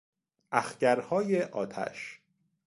اخگرهای آتش